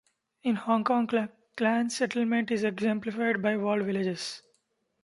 In Hong Kong, clan settlement is exemplified by walled villages.